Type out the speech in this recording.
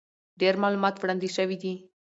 ډېر معلومات وړاندې شوي دي،